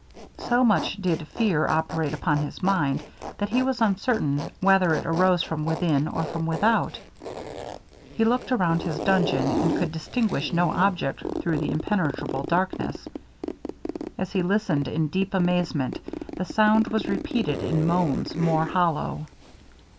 So much did fear operate upon his mind, that he was uncertain whether it arose from within or from without. He looked around his dungeon, but could distinguish no object through the impenetrable darkness. As he listened in deep amazement, the sound was repeated in moans more hollow.